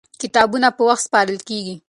کتابونه په وخت سپارل کېږي.